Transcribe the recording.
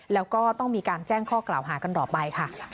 แล้วก็ต้องมีการแจ้งข้อกล่าวหากันต่อไปค่ะ